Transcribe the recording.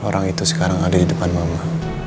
orang itu sekarang ada di depan mama